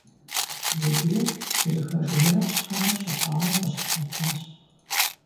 Зубер, зэрыхэжеяр щхьэжэ щыхъуауэ, къыщылъэтащ.